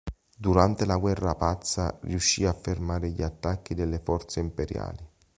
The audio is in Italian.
Durante la Guerra pazza riuscì a fermare gli attacchi delle forze imperiali.